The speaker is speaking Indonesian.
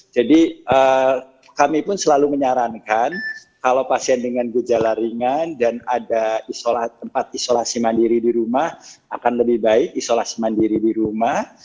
jadi kami pun selalu menyarankan kalau pasien dengan gejala ringan dan ada tempat isolasi mandiri di rumah akan lebih baik isolasi mandiri di rumah